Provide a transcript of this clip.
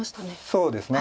そうですね。